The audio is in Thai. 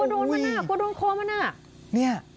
กลัวโดนมาน่ะโกรธโค้มมาน่ะ